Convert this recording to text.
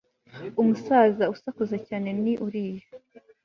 umusaza usakuza cyane ni uriya